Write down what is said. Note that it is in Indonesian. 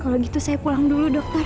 kalau gitu saya pulang dulu dokter